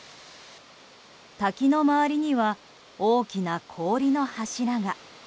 滝の周りには大きな氷の柱が。